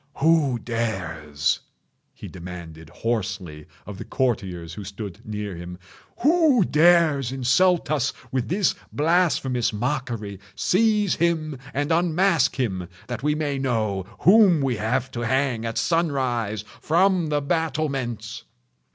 "Who dares?" he demanded hoarsely of the courtiers who stood near him—"who dares insult us with this blasphemous mockery? Seize him and unmask him—that we may know whom we have to hang at sunrise, from the battlements!"